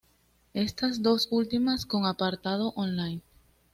Estas dos últimas con apartado online.